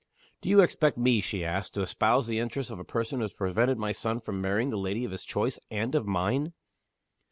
"Do you expect me," she asked, "to espouse the interests of a person who has prevented my son from marrying the lady of his choice, and of mine?"